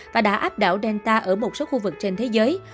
và đã áp đảo delta ở một số khu vực trên thế giới